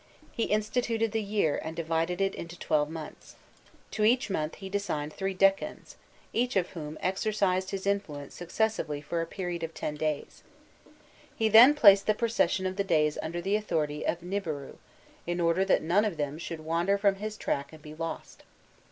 He instituted the year and divided it into twelve months. To each month he assigned three decans, each of whom exercised his influence successively for a period of ten days; he then placed the procession of the days under the authority of Nibiru, in order that none of them should wander from his track and be lost.